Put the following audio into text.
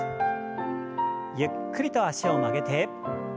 ゆっくりと脚を曲げて。